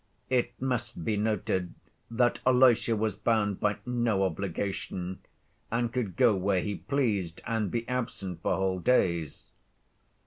It must be noted that Alyosha was bound by no obligation and could go where he pleased and be absent for whole days.